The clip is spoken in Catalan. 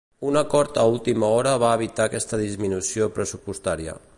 Un acord a última hora va evitar aquesta disminució pressupostària.